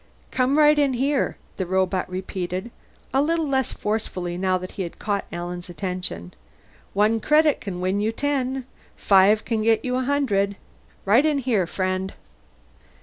"Come right in here!" the robot repeated, a little less forcefully now that it had caught Alan's attention. "One credit can win you ten; five can get you a hundred. Right in here, friend."